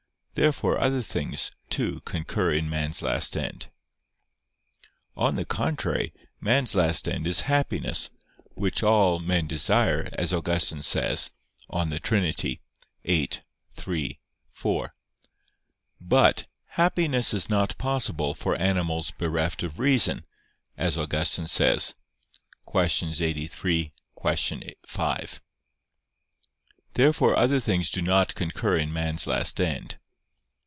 Therefore other things, too, concur in man's last end. On the contrary, man's last end is happiness; which all men desire, as Augustine says (De Trin. xiii, 3, 4). But "happiness is not possible for animals bereft of reason," as Augustine says (QQ. 83, qu. 5). Therefore other things do not concur in man's last end.